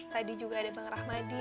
tadi juga ada bang rahmadi